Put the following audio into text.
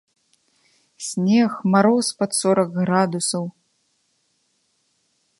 Снег, мароз пад сорак градусаў.